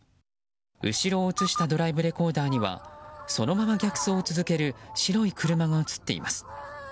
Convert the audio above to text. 後ろを映したドライブレコーダーにはそのまま逆走を続ける白い車が映っています。